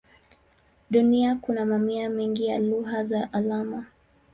Duniani kuna mamia mengi ya lugha za alama.